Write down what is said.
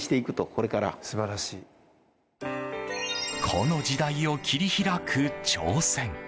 個の時代を切り開く挑戦。